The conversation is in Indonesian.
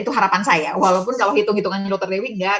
itu harapan saya walaupun kalau hitung hitungannya dr dewi enggak